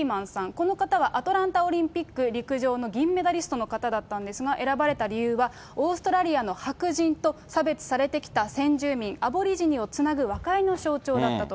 この方はアトランタオリンピック陸上の銀メダリストの方だったんですが、選ばれた理由は、オーストラリアの白人と差別されてきた先住民、アボリジニをつなぐ和解の象徴だったと。